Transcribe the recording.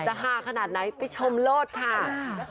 ฮาขนาดไหนไปชมโลศค่ะ